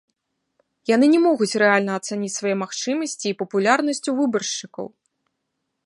Яны не могуць рэальна ацаніць свае магчымасці і папулярнасць у выбаршчыкаў.